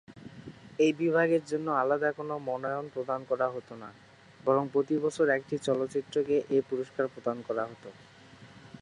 এই বিভাগের জন্য আলাদা কোন মনোনয়ন প্রদান করা হতো না, বরং প্রতি বছর একটি চলচ্চিত্রকে এই পুরস্কার প্রদান করা হত।